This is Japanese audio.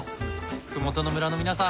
麓の村の皆さん